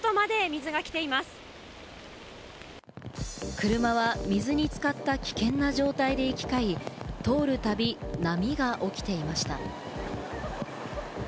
車は水に浸かった危険な状態で行き交い、通るたび波が起きていました。